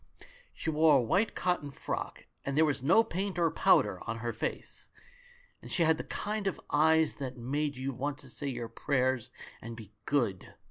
She wore a white cotton frock, and there was no paint or powder on her face, and she had the kind of eyes that make you want to say your prayers and be good.